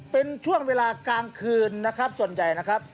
เป็นช่วงเวลากลางคืนนะครับส่วนใหญ่นะครับ